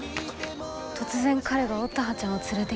突然彼が乙葉ちゃんを連れてきて。